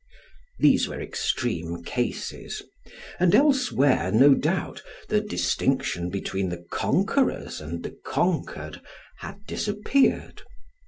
These were extreme cases; and elsewhere, no doubt, the distinction between the conquerors and the conquered had disappeared.